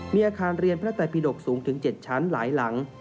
มีอาคารเรียนพระไตรปิดกสูงถึง๗ชั้นหลายหลัง